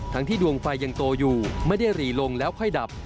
ทั้งที่ดวงไฟยังโตอยู่ไม่ได้หรี่ลงแล้วค่อยดับ